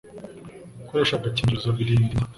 gukoresha agakingirizo birinda inda